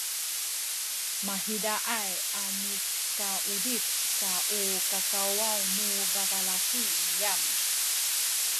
mahizaay a nikauzip sa u kakawaw nu babalaki niyam